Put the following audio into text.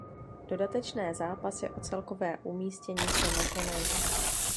Dodatečné zápasy o celkové umístění se nekonají.